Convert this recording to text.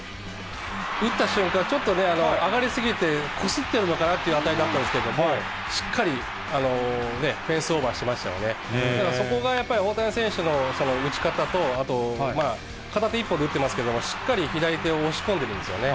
打った瞬間、ちょっとね、上がり過ぎて、こすってるのかなっていう当たりだったんですけど、しっかりフェンスオーバーしましたので、そこがやっぱり大谷選手の打ち方と、あと片手一本で打っていますけども、しっかり左手を押し込んでるんですよね。